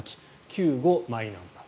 「救護マイナンバー」。